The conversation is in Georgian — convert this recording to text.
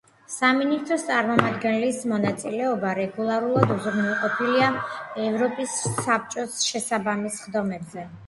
სამინისტროს წარმომადგენლის მონაწილეობა რეგულარულად უზრუნველყოფილია ევროპის საბჭოს შესაბამის სხდომებზე.